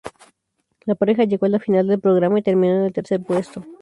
La pareja llegó a la final del programa y terminó en el tercer puesto.